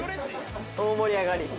大盛り上がり。